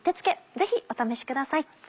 ぜひお試しください。